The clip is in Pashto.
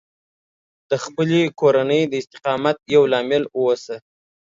د خپلې کورنۍ د استقامت یو لامل اوسه